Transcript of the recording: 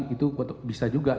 itu bisa juga